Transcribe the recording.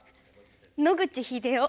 野口英世。